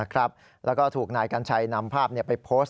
แล้วก็ถูกนายกัญชัยนำภาพไปโพสต์